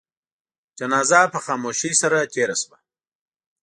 جنازه په خاموشی سره تېره شوه.